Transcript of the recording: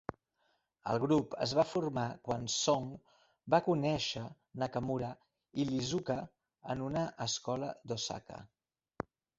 El grup es va formar quan Song va conèixer Nakamura i Iizuka en una escola d'Osaka.